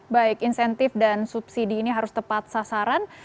baik insentif dan subsidi ini harus tepat sasaran